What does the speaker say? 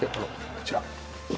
こちら。